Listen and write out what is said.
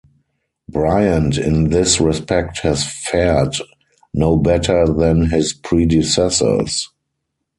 Briand in this respect has fared no better than his predecessors.